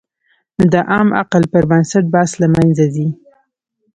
نو د عام عقل پر بنسټ بحث له منځه ځي.